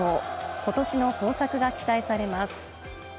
今年の豊作が期待されます。